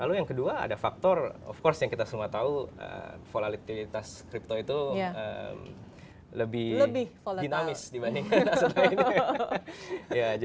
lalu yang kedua ada faktor of course yang kita semua tahu volatilitas kripto itu lebih dinamis dibandingkan nasional